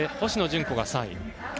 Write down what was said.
星野純子が３位。